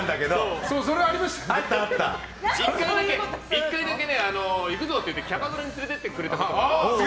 １回だけ、行くぞ！って言ってキャバクラに連れてってくれたことがあるんです。